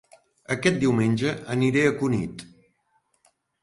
Aquest diumenge aniré a Cunit